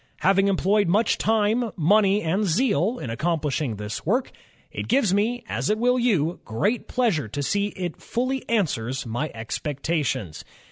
... "Having employed much time, money, and zeal in accomplishing this work, it gives me, as it will you, great pleasure to see it fully answers my expectations.